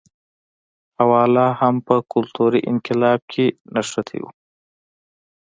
هوا لا هم په کلتوري انقلاب کې نښتی و.